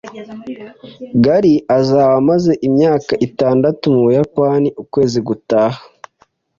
Gary azaba amaze imyaka itandatu mu Buyapani ukwezi gutaha